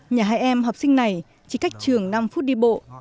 nhà hai em học sinh này chỉ cách trường năm phút đi bộ